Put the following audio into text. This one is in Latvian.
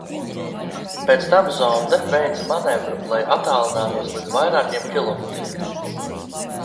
Pēc tam zonde veica manevru, lai attālinātos līdz vairākiem kilometriem.